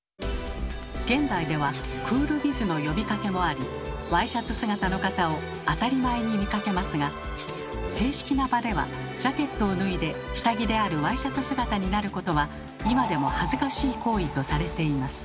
現代ではクールビズの呼びかけもありワイシャツ姿の方を当たり前に見かけますが正式な場ではジャケットを脱いで下着であるワイシャツ姿になることは今でも恥ずかしい行為とされています。